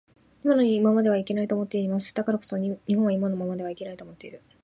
今のままではいけないと思っています。だからこそ日本は今のままではいけないと思っている